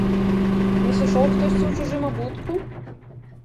Не сышоў хтосьці ў чужым абутку?